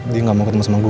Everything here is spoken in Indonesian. dia gak mau ketemu sama gue